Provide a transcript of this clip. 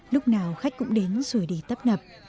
lúc nào khách cũng đến rồi đi tấp nập